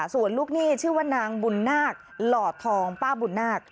ส่วนลูกหนี้ชื่อว่านางบุญนาคหล่อทองป้าบุญนาค